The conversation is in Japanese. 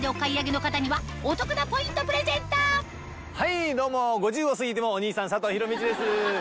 はいどうも５０を過ぎてもお兄さん佐藤弘道です。